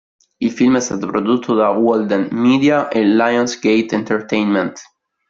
Il film è stato prodotto da Walden Media e Lions Gate Entertainment.